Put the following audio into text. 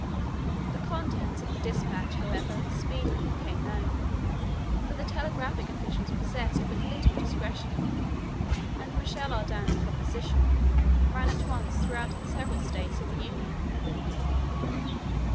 The contents of the dispatch, however, speedily became known; for the telegraphic officials possessed but little discretion, and Michel Ardan's proposition ran at once throughout the several States of the Union.